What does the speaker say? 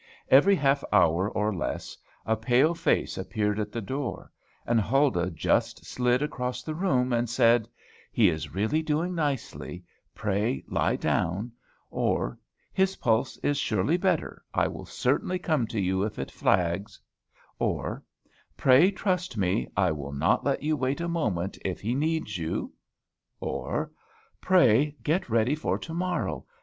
Every half hour or less, a pale face appeared at the door; and Huldah just slid across the room, and said, "He is really doing nicely, pray lie down;" or, "His pulse is surely better, I will certainly come to you if it flags;" or "Pray trust me, I will not let you wait a moment if he needs you;" or, "Pray get ready for to morrow.